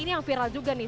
ini yang viral juga nih